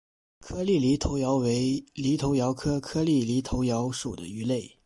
颗粒犁头鳐为犁头鳐科颗粒犁头鳐属的鱼类。